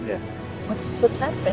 apa yang terjadi